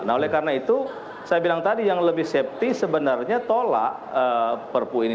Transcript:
nah oleh karena itu saya bilang tadi yang lebih safety sebenarnya tolak perpu ini